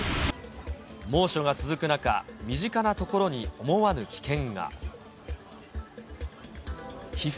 猛暑が続く中、身近な所に思わぬ危険が。